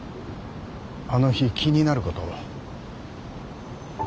あの日気になることを。